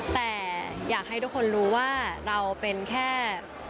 แต่อยากให้ทุกคนรู้ว่าเราเป็นแค่